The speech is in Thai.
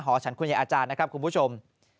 ฉันคุณยายอาจารย์นะครับคุณผู้ชม